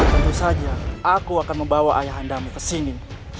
tentu saja aku akan membawa ayah anda kesini